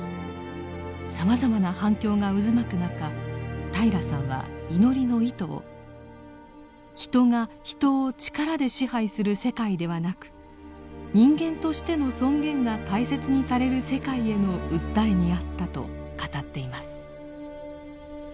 さまざまな反響が渦巻く中平良さんは祈りの意図を「人が人を力で支配する世界ではなく人間としての尊厳が大切にされる世界への訴えにあった」と語っています。